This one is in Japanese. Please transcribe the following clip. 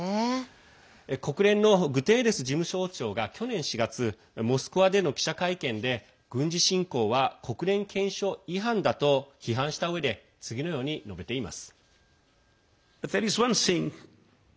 国連のグテーレス事務総長が去年４月モスクワでの記者会見で軍事侵攻は国連憲章違反だと批判したうえで次のように述べています。